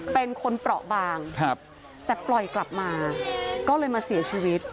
เป็นคนเปราะบางแต่ปล่อยกลับมาก็เลยมาเสียชีวิต